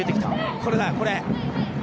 これだ、これ。